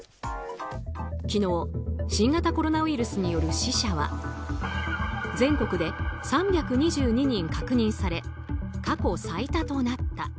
昨日新型コロナウイルスによる死者は全国で３２２人確認され過去最多となった。